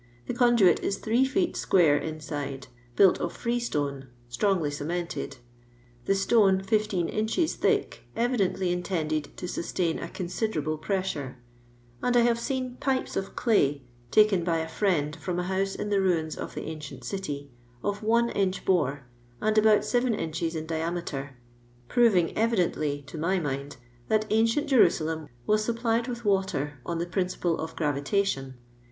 The condoit ii three feet square inside, built of frrriif ^ strongly cemented ; the stone, fifteen inches thii^ evidently intended to sustain a considerable pR* sure ; and I have seen pipes of clay, taken by s friend from a house in the ruins of the andstt city, of one inch bore, and about seven inches ia diameter, proving evidently, to my mind, thtt ancient Jerusalem was supplied with water m the principle of gravitation.